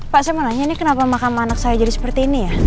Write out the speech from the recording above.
pak saya mau nanya ini kenapa makam anak saya jadi seperti ini ya